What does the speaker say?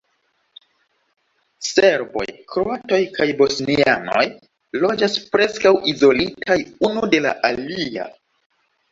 Serboj, kroatoj kaj bosnianoj loĝas preskaŭ izolitaj unu de la alia.